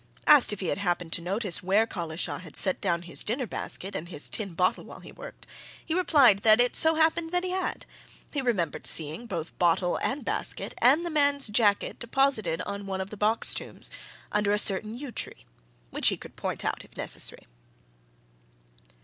Asked if he had happened to notice where Collishaw had set down his dinner basket and his tin bottle while he worked, he replied that it so happened that he had he remembered seeing both bottle and basket and the man's jacket deposited on one of the box tombs under a certain yew tree which he could point out, if necessary.